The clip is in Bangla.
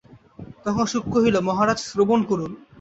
তখন শুক কহিল মহারাজ শ্রবণ করুন।